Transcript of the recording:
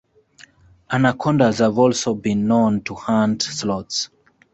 Anacondas have also been known to hunt sloths.